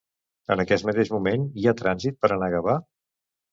En aquest mateix moment hi ha trànsit per anar a Gavà?